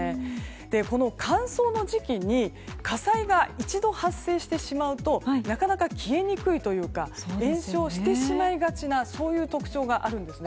この乾燥の時期に火災が一度発生してしまうとなかなか消えにくいというか延焼してしまいがちなそういう特徴があるんですよね。